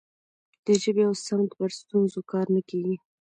د ژبې او سمت پر ستونزو کار نه کیږي.